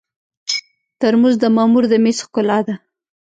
ترموز د مامور د مېز ښکلا ده.